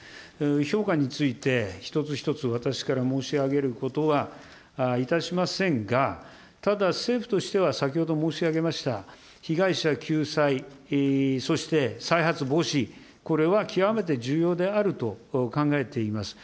評価について、一つ一つ私から申し上げることはいたしませんが、ただ、政府としては先ほど申し上げました、被害者救済、そして、再発防止、これは極めて重要であると考えています。